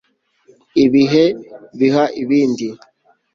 ibihe biha ibindi